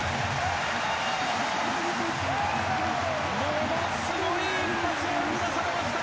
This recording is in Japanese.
ものすごい一発が生み出されました。